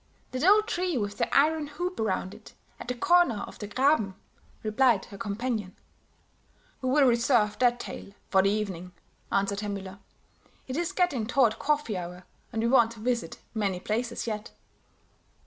"That old tree with the iron hoop around it, at the corner of the Graben," replied her companion. "We will reserve that tale for the evening," answered Herr Müller; "it is getting toward coffee hour, and we want to visit many places yet."